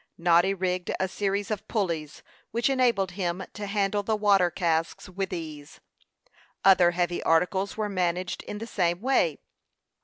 Noddy rigged a series of pulleys, which enabled him to handle the water casks with ease. Other heavy articles were managed in the same way.